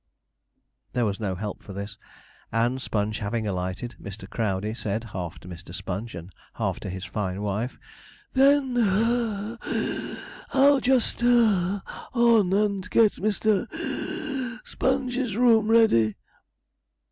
There was no help for this, and Sponge having alighted, Mr. Crowdey said, half to Mr. Sponge and half to his fine wife, 'Then (puff wheeze) I'll just (puff) on and get Mr. (wheeze) Sponge's room ready.'